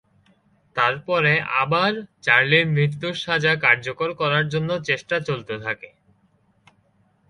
তারপরে আবার চার্লির মৃত্যুর সাজা কার্যকর করার জন্য চেষ্টা চলতে থাকে।